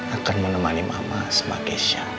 akan menemani mama sama kesha